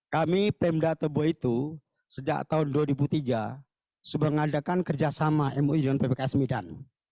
kami pemda tebo itu sejak tahun dua ribu tiga sepengadakan kerjasama mui dengan ppk semidan